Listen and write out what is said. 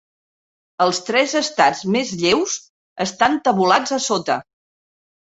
Els tres estats més lleus estan tabulats a sota.